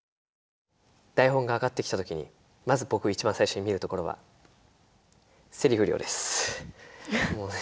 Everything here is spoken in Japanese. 台本が上がってきた時にまず僕一番最初に見るところはどうしたらいいんでしょうか？